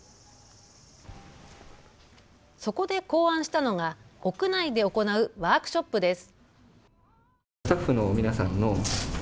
そこで考案したのが屋内で行うワークショップです。